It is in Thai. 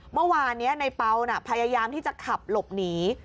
เมื่อวานนี้ในเปล่าพยายามที่จะขับหลบหนี